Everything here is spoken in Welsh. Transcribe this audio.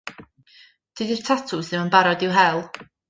Dydi'r tatws ddim yn barod i'w hel.